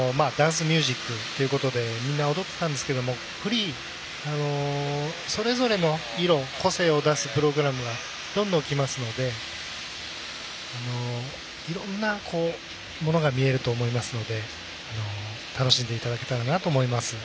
リズムダンスではダンスミュージックということでみんな踊ってたんですがフリー、それぞれの個性を出すプログラムがどんどんきますのでいろんなものが見えると思いますので楽しんでいただけたらなと思います。